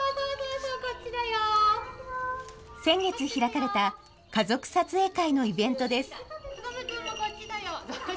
先月開かれた、家族撮影会のイベントです。